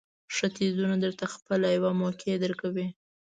ښه څیزونه درته خپله یوه موقع درکوي.